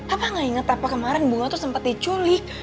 apa nggak inget apa kemarin bunga tuh sempat diculik